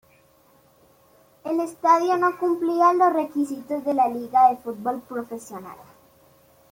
El estadio no cumplía los requisitos de la Liga de Fútbol Profesional.